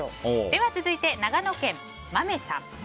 続いて長野県の方から。